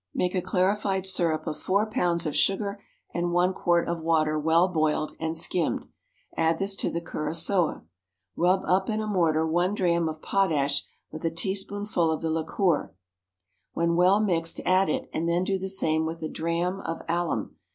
Make a clarified syrup of four pounds of sugar and one quart of water well boiled and skimmed; add this to the curaçoa. Rub up in a mortar one dram of potash with a teaspoonful of the liqueur; when well mixed add it, and then do the same with a dram of alum.